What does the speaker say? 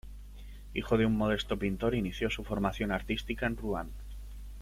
Hijo de un modesto pintor, inició su formación artística en Ruán.